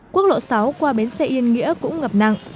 quốc lộ sáu qua bến xe yên nghĩa cũng ngập nặng